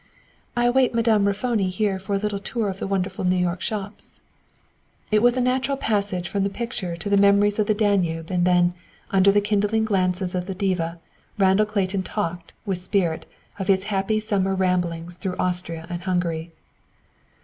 "I await Madame Raffoni here for a little tour of the wonderful New York shops." It was a natural passage from the picture to the memories of the Danube, and then, under the kindling glances of the diva, Randall Clayton talked, with spirit, of his happy summer ramblings through Austria and Hungary.